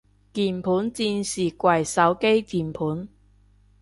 鍵盤戰士跪手機鍵盤